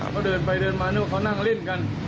เขาเดินไปเดินมานู่นเขานั่งเล่นกัน